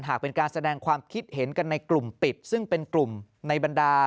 เป็นการแสดงความคิดเห็นกันในกลุ่มปิดซึ่งเป็นกลุ่มในบรรดา